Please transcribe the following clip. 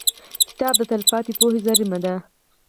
• کتاب د تلپاتې پوهې زېرمه ده.